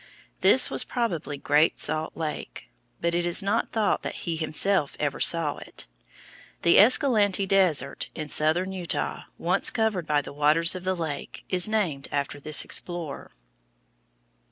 This was probably Great Salt Lake, but it is not thought that he himself ever saw it. The Escalante Desert, in southern Utah, once covered by the waters of the lake, is named after this explorer.